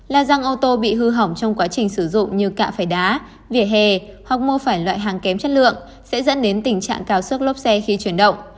la răng ô tô bị hư hỏng trong quá trình sử dụng như cạ phải đá vỉa hè hoặc mô phản loại hàng kém chất lượng sẽ dẫn đến tình trạng cao suất lốp xe khi chuyển động